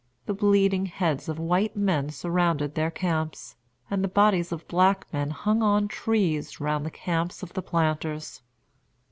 The bleeding heads of white men surrounded their camps, and the bodies of black men hung on trees round the camps of the planters.